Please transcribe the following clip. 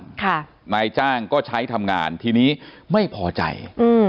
ค่ะนายจ้างก็ใช้ทำงานทีนี้ไม่พอใจอืม